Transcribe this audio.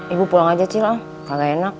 ibu pulang aja cilang kagak enak